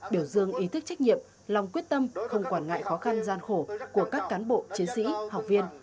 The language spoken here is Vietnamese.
biểu dương ý thức trách nhiệm lòng quyết tâm không quản ngại khó khăn gian khổ của các cán bộ chiến sĩ học viên